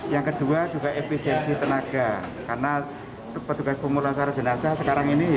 yang kedua juga efisiensi tenaga karena petugas pemulasar jenazah sekarang ini